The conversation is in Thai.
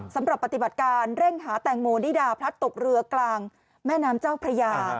สำหรับปฏิบัติการเร่งหาแตงโมนิดาพลัดตกเรือกลางแม่น้ำเจ้าพระยา